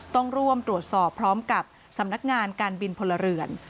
ต้องร่วมตรวจสอบพร้อมกับสำนักงานการบินพลเรือน